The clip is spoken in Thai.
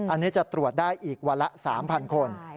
อันนี้จะตรวจได้อีกวันละ๓๐๐คน